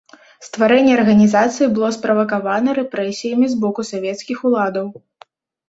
Стварэнне арганізацыі было справакавана рэпрэсіямі з боку савецкіх уладаў.